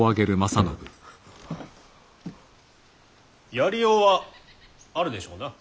やりようはあるでしょうな。